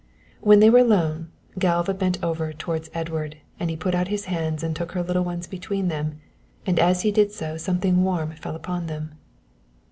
When they were alone Galva bent lower over towards Edward and he put out his hands and took her little ones between them, and as he did so something warm fell upon them.